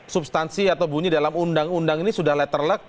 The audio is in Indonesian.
substansi atau bunyi dalam undang undang ini sudah letter luck